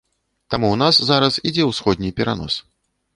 Таму ў нас зараз ідзе ўсходні перанос.